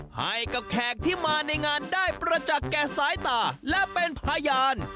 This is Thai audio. ให้กับแขกที่มาในงานได้ประจักษ์แก่สายตาและเป็นพยาน